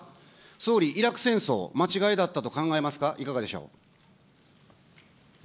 総理、イラク戦争、間違いだったと考えますか、いかがでしょう。